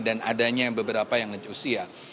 dan adanya beberapa yang lanjut usia